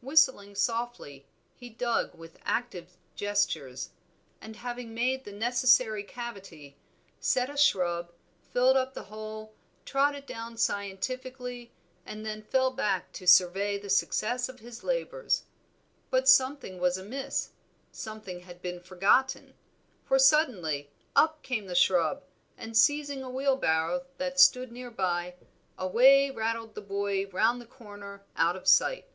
Whistling softly he dug with active gestures; and, having made the necessary cavity, set a shrub, filled up the hole, trod it down scientifically, and then fell back to survey the success of his labors. But something was amiss, something had been forgotten, for suddenly up came the shrub, and seizing a wheelbarrow that stood near by, away rattled the boy round the corner out of sight.